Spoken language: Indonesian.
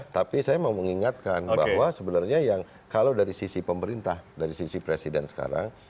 tapi saya mau mengingatkan bahwa sebenarnya yang kalau dari sisi pemerintah dari sisi presiden sekarang